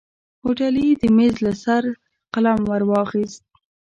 هوټلي د ميز له سره قلم ور واخيست.